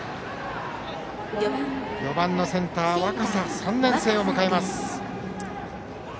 ４番のセンター、若狭を迎えます。